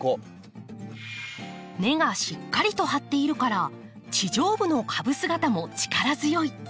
根がしっかりと張っているから地上部の株姿も力強い。